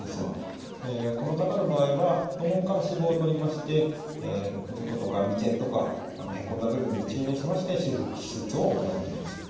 この方の場合は太ももから脂肪をとりましておでことか眉間とかへこんだ部分に注入しまして修復手術を行っています。